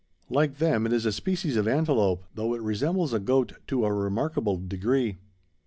Like them it is a species of antelope, though it resembles a goat to a remarkable degree.